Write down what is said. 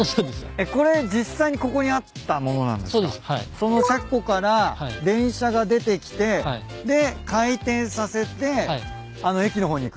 その車庫から電車が出てきてで回転させてあの駅の方に行く。